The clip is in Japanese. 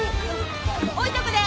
置いとくで。